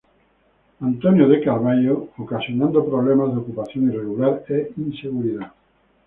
Antônio de Carvalho", ocasionando problemas de ocupación irregular e inseguridad.